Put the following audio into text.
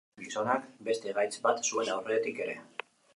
Gizonak beste gaitz bat zuen aurretik ere.